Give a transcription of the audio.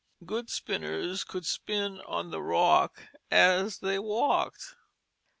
Good spinners could spin on the rock as they walked.